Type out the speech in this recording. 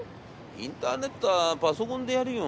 インターネットはパソコンでやるよ。